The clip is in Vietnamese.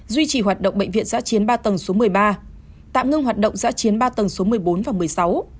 duy trì hoạt động bệnh viện giã chiến ba tầng số một mươi ba tạm ngưng hoạt động giã chiến ba tầng số một mươi bốn và một mươi sáu